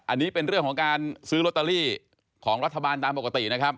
อันนี้เป็นเรื่องของการซื้อลอตเตอรี่ของรัฐบาลตามปกตินะครับ